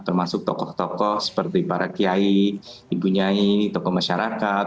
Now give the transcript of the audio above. termasuk tokoh tokoh seperti para kiai ibunyai tokoh masyarakat